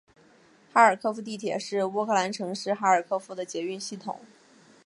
哈尔科夫地铁是乌克兰城市哈尔科夫的捷运系统。